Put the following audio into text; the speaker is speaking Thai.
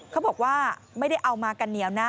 เขาบอกว่าไม่ได้เอามากันเหนียวนะ